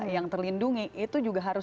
yang terlindungi itu juga harus